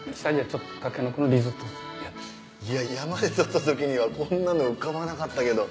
山で採った時にはこんなの浮かばなかったけど。